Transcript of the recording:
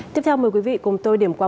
tiếp theo mời quý vị cùng tôi điểm qua